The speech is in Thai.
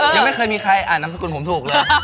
ยังไม่เคยมีใครอ่านนามสกุลผมถูกเลย